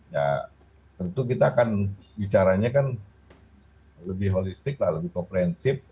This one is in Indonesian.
ya tentu kita akan bicaranya kan lebih holistik lah lebih komprensif